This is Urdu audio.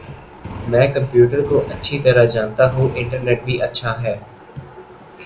میں کمپیوٹرکو اچھی طرح جانتا ہوں انٹرنیٹ بھی اچھا ہے